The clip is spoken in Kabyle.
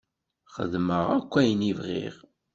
Xedmeɣ akk ayen i bɣiɣ.